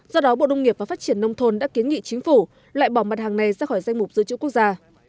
do đó bộ đông nghiệp và phát triển nông thôn đã kiến nghị chính phủ lại bỏ mặt hàng này ra khỏi danh mục dự trữ quốc gia